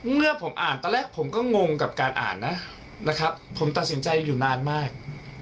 เมื่อผมอ่านตอนแรกผมก็งงกับการอ่านนะนะครับผมตัดสินใจอยู่นานมาก